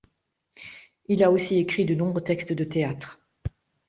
Il a aussi écrit de nombreux textes de théâtre.